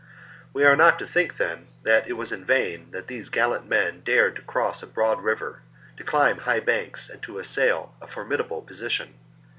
We are not to think, then, that it was in vain that these gallant men dared to cross a broad river, to climb high banks, and to assail a formidable position.